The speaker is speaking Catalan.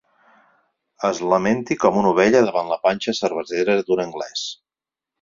Es lamenti com una ovella davant la panxa cervesera d'un anglès.